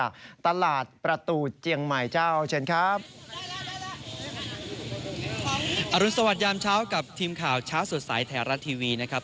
อารุณสวัสดียามเช้ากับทีมข่าวช้าสุดสายไทยรัฐทีวีนะครับ